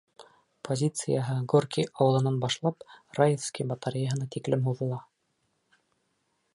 Позицияһы Горки ауылынан башлап Раевский батареяһына тиклем һуҙыла.